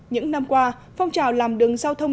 những năm qua phong trào làm đường giao thông